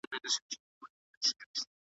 یو وخت ژمی وو او واوري اورېدلې .